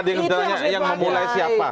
yang pertama yang memulai siapa